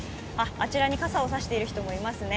あちらに傘を差している人もいますね。